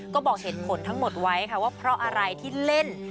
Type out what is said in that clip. ก็บอกเหตุผลทั้งหมดไว้ค่ะว่าเพราะอะไรที่เล่น